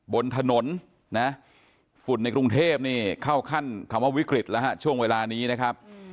บนถนนนะฝุ่นในกรุงเทพนี่เข้าขั้นคำว่าวิกฤตแล้วฮะช่วงเวลานี้นะครับ